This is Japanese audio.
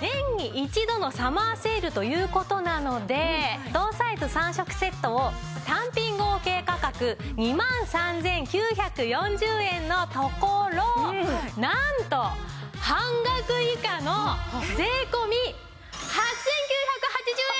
年に１度のサマーセールという事なので同サイズ３色セットを単品合計価格２万３９４０円のところなんと半額以下の税込８９８０円です！